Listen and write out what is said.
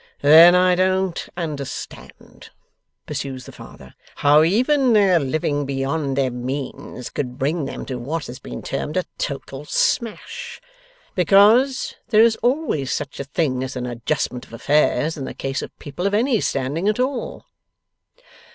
'Then I don't understand,' pursues the Father, 'how even their living beyond their means could bring them to what has been termed a total smash. Because, there is always such a thing as an adjustment of affairs, in the case of people of any standing at all.